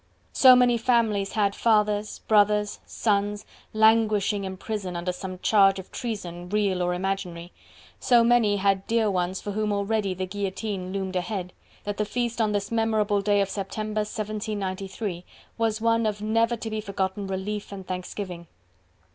So many families had fathers, brothers, sons, languishing in prison under some charge of treason, real or imaginary; so many had dear ones for whom already the guillotine loomed ahead, that the feast on this memorable day of September, 1793, was one of never to be forgotten relief and thanksgiving.